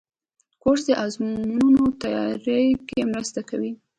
کورس د ازموینو تیاري کې مرسته کوي.